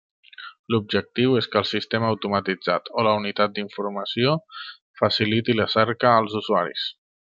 L'objectiu és que el sistema automatitzat o la unitat d'informació faciliti la cerca als usuaris.